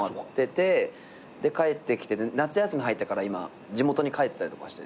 で帰ってきて夏休み入ったから今地元に帰ってたりとかして。